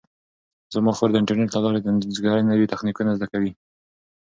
زما خور د انټرنیټ له لارې د انځورګرۍ نوي تخنیکونه زده کوي.